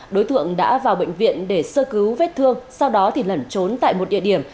đối tượng đã vào bệnh viện để sơ cứu vết thương sau đó lẩn trốn tại một địa điểm